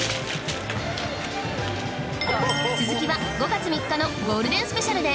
続きは５月３日のゴールデンスペシャルで